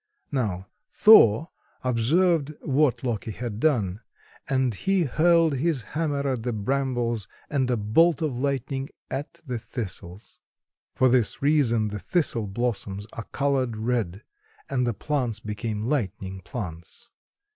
Now, Thor observed what Loki had done; so he hurled his hammer at the brambles and a bolt of lightning at the Thistles. For this reason the thistle blossoms are colored red and the plants became lightning plants.